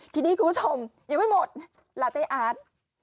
ทีนี้คุณผู้ชมยังไม่หมดลาเต้อาร์ต